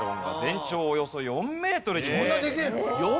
そんなでけえの？